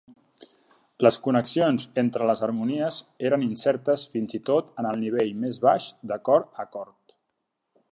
Les connexions entre les harmonies eren incertes fins i tot en el nivell més baix d'acord a acord.